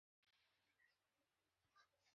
তুমি নিশ্চিত যে তুমি একটা বাচ্চা নও?